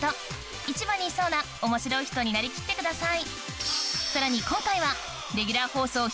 市場にいそうな面白い人になりきってください